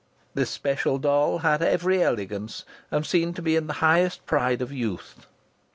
This special doll had every elegance and seemed to be in the highest pride of youth.